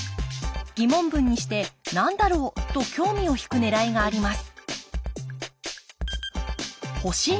疑問文にして「何だろう？」と興味をひくねらいがあります